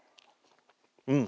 うん！